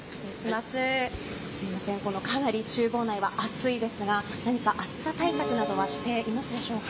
すいませんかなり厨房内は暑いですが何か暑さ対策などはしていますでしょうか。